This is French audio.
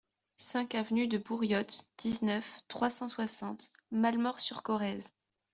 cinq avenue de Bouriottes, dix-neuf, trois cent soixante, Malemort-sur-Corrèze